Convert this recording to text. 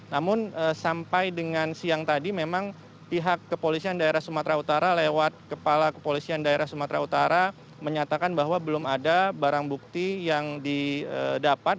namun sampai dengan siang tadi memang pihak kepolisian daerah sumatera utara lewat kepala kepolisian daerah sumatera utara menyatakan bahwa belum ada barang bukti yang didapat